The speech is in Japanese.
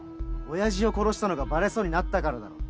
親父を殺したのがバレそうになったからだろ？